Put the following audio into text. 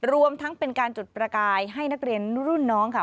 รวมทั้งเป็นการจุดประกายให้นักเรียนรุ่นน้องค่ะ